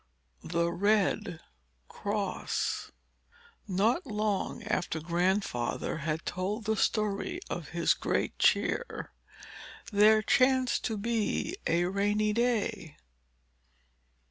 Chapter III Not long after Grandfather had told the story of his great chair, there chanced to be a rainy day.